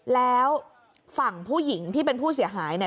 แล้วฝั่งผู้หญิงที่เป็นผู้เสียหายเนี่ย